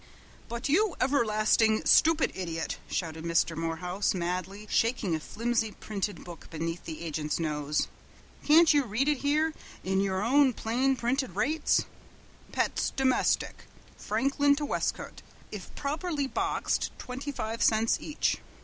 "But, you everlastingly stupid idiot!" shouted Mr. Morehouse, madly shaking a flimsy printed book beneath the agent's nose, "can't you read it here in your own plain printed rates? 'Pets, domestic, Franklin to Westcote, if properly boxed, twenty five cents each.'"